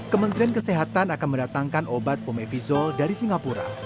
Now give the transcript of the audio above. kementerian kesehatan akan mendatangkan obat pomevizol dari singapura